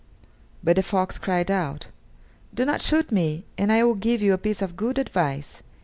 But the fox cried out: "Do not shoot me, and I will give you a piece of good advice!